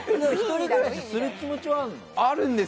１人暮らしする気持ちはあるの？